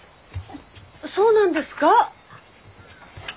そうなんですか？